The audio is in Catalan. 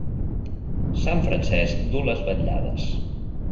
Sant Francesc duu les vetllades.